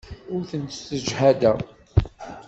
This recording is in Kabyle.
Ur tent-ssejhadeɣ.